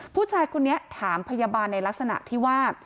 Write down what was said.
ผู้ชายคนนี้ถามพยาบาลในลักษณะที่ว่า